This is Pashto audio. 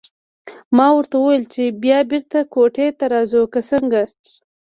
ما ورته وویل چې بیا بېرته کوټې ته راځو که څنګه.